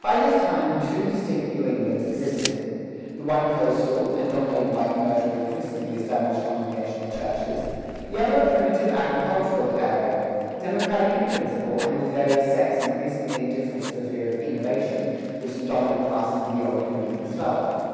By this time two distinct New Englands existed the one coastal, and dominated by commercial interests and the established congregational churches; the other a primitive agricultural area, democratic in principle, and with various sects increasingly indifferent to the fear of "innovation" which the dominant classes of the old communities felt.